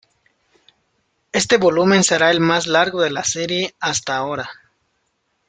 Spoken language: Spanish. Este volumen será el más largo de la serie hasta ahora.